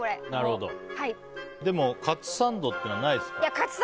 でも、かつサンドっていうのはないですか？